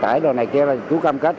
không khi nào dám dư